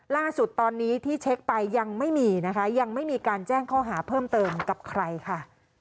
ล่าสุดตอนนี้ที่เช็คไปยังไม่มีนะคะยังไม่มีการแจ้งข้อหาเพิ่มเติมกับใครค่ะ